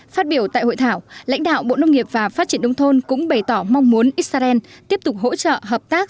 phát biểu tại hội thảo lãnh đạo bộ nông nghiệp và phát triển đông thôn cũng bày tỏ mong muốn israel tiếp tục hỗ trợ hợp tác